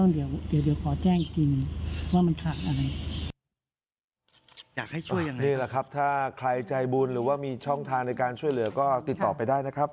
เดี๋ยวขอแจ้งอีกทีนึงว่ามันขาดอะไร